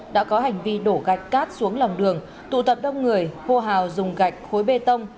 đã có hành vi đổ gạch cát xuống lòng đường tụ tập đông người hô hào dùng gạch khối bê tông